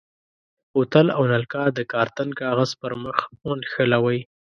بوتل او نلکه د کارتن کاغذ پر مخ ونښلوئ.